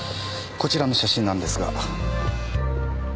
こちらの写真なんですが。